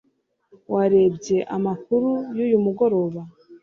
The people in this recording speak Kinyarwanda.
warebye amakuru yuyu mugoroba